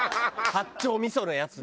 八丁味噌のやつで。